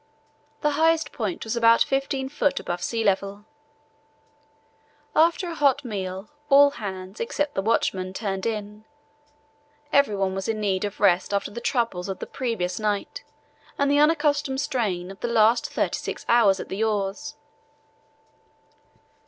The highest point was about 15 ft. above sea level. After a hot meal all hands, except the watchman, turned in. Every one was in need of rest after the troubles of the previous night and the unaccustomed strain of the last thirty six hours at the oars.